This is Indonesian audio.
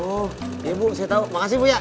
oh iya bu saya tau makasih ya